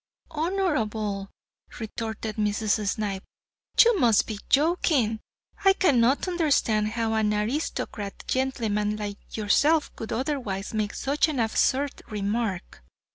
"Honorable," retorted Mrs. Snipe; "you must be joking. I cannot understand how an aristocratic gentleman like yourself would otherwise make such an absurd remark."